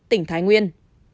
tỉnh thái nguyên